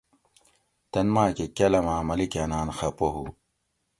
تن ماۤکہ کالاماں ملیکاۤناۤن خفہ ہُو